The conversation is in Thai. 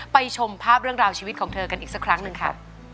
ชมภาพเรื่องราวชีวิตของเธอกันอีกสักครั้งหนึ่งค่ะ